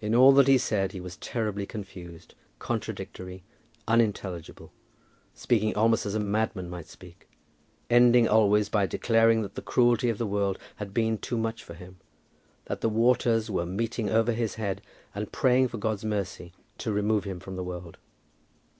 In all that he said he was terribly confused, contradictory, unintelligible, speaking almost as a madman might speak, ending always by declaring that the cruelty of the world had been too much for him, that the waters were meeting over his head, and praying for God's mercy to remove him from the world.